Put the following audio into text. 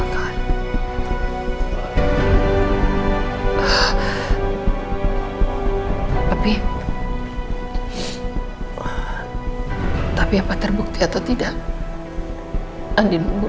tapi tapi apa terbukti atau tidak andien membunuh